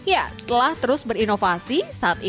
ya setelah terus berinovasi saat ini jamu ini sudah berhasil